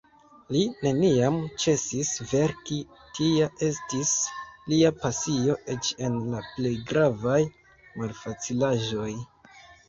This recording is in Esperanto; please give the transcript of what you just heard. Li neniam ĉesis verki, tia estis lia pasio eĉ en la plej gravaj malfacilaĵoj.